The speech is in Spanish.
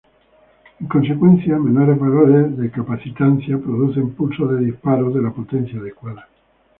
En consecuencia menores valores de capacitancia producen pulsos de disparos de la potencia adecuada.